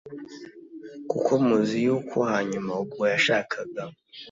Kuko muzi yuko hanyuma ubwo yashakaga